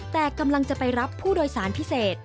แต่กำลังจะไปรับผู้โดยสารพิเศษ